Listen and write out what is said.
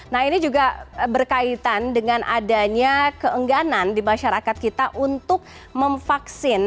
nah ini juga berkaitan dengan adanya keengganan di masyarakat kita untuk memvaksin